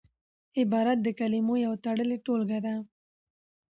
عبارت د کلمو یو تړلې ټولګه ده.